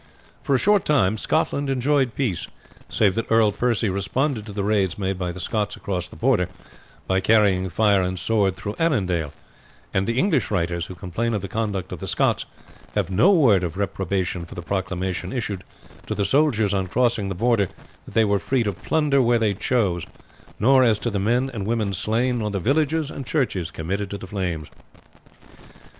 For a short time Scotland enjoyed peace, save that Earl Percy responded to the raids made by the Scots across the Border, by carrying fire and sword through Annandale; and the English writers who complain of the conduct of the Scots, have no word of reprobation for the proclamation issued to the soldiers on crossing the Border, that they were free to plunder where they chose, nor as to the men and women slain, nor the villages and churches committed to the flames.